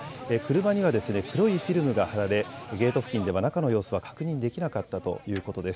車には黒いフィルムが貼られゲート付近では中の様子は確認できなかったということです。